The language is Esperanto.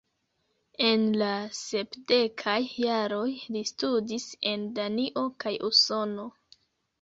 En la sepdekaj jaroj, li studis en Danio kaj Usono.